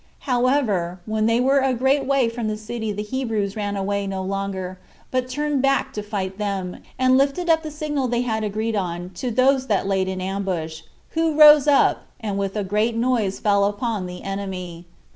However, when they were a great way from the city the Hebrews ran away no longer, but turned back to fight them, and lifted up the signal they had agreed on to those that lay in ambush, who rose up, and with a great noise fell upon the enemy.